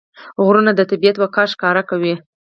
غرونه د طبیعت وقار ښکاره کوي.